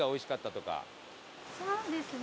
そうですね。